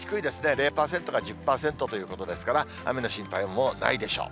０％か１０％ということですから、雨の心配もないでしょう。